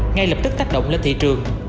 ngay lập tức tác động lên thị trường